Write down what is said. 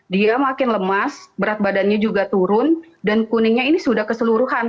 dia makin lemas berat badannya juga turun dan kuningnya ini sudah keseluruhan